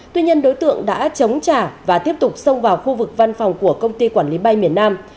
tuy nhiên đối tượng đã chống trả và tiếp tục xông vào khu vực văn phòng của công ty quản lý bay miền nam